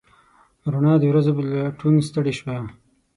روڼا د ورځو په لټون ستړې شوه